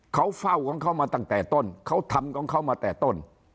เขาเฝ้าของเขามาตั้งแต่ต้นเขาทำของเขามาแต่ต้น